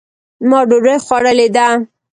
ما ډوډۍ خوړلې ده